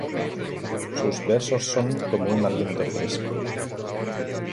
Sus versos son como un aliento fresco.